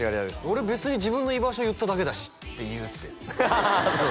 「俺別に自分の居場所言っただけだし」って言うってハハハ